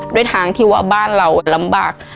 ด้วยทางที่ว่าบ้านเราลำบาก